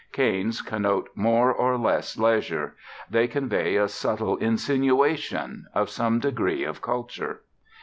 Canes connote more or less leisure. They convey a subtle insinuation of some degree of culture.